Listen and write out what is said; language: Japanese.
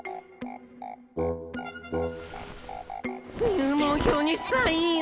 入門票にサインを。